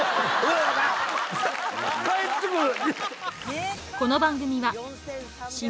返ってくる！